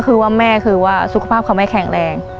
ก็คือว่าสุขภาพของแม่แข็งแรง